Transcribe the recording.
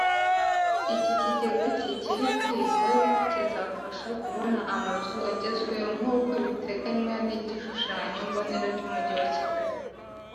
Iki kigega kikiri kwigwa kizafasha kubona amazu agezweho nk’uko biteganywa n’igishushanyo mbonera cy’Umujyi wa Kigali